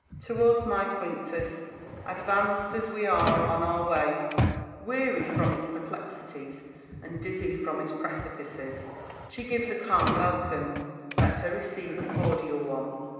To us, my Quinctus, advanced as we are on our way, weary from its perplexities and dizzy from its precipices, she gives a calm welcome : let her receive a cordial one.